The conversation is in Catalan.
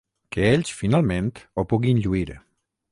Que ells finalment ho puguin lluir.